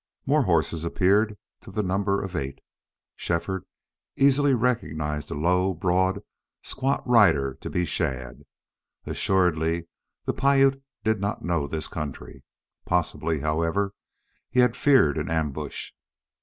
More horses appeared to the number of eight. Shefford easily recognized a low, broad, squat rider to be Shadd. Assuredly the Piute did not know this country. Possibly, however, he had feared an ambush.